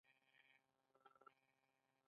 د اوبو یو مالیکول له کومو اتومونو څخه جوړ دی